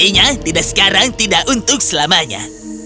bayinya tidak sekarang tidak untuk selamanya